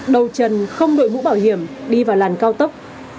đầu trần không đội mũ bảo hiểm đi vào làn cao tốc